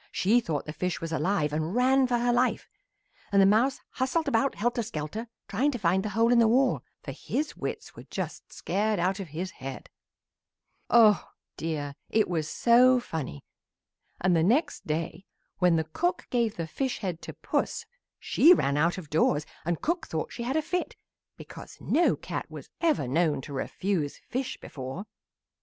She thought the fish was alive and ran for her life, and the mouse hustled about helter skelter trying to find the hole in the wall, for his wits were just scared out of his head. "Oh dear! it was so funny, and the next day when the cook gave the fish head to Puss she ran out of doors and cook thought she had a fit because no cat was ever known to refuse fish before.